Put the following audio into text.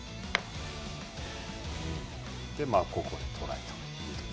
そしてここでトライと。